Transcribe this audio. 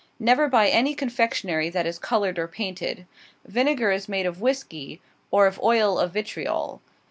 Never buy any confectionery that is colored or painted. Vinegar is made of whisky, or of oil of vitriol.